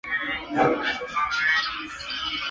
后来又担任左转骑都尉。